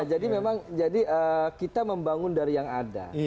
jadi memang kita membangun dari yang ada